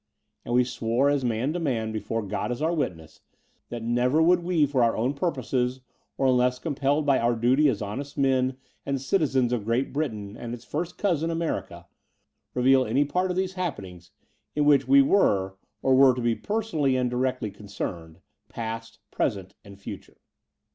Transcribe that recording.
— and we swore as man to man before God as our witness, that never would we for our own purposes, or unless compelled by our duty as honest men and citizens of Great Britain and its first cousin, America, reveal any part of these happenings in which we were or were to be personally and directly concerned — ^past, present, and future.